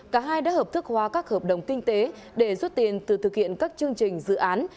cả hai đã hợp thức hóa các hợp đồng kinh tế để rút tiền từ thực hiện các chương trình dự án